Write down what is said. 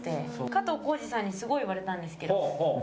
加藤浩次さんにすごい言われたんですけど。